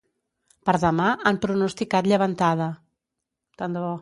Per demà, han pronosticat llevantada.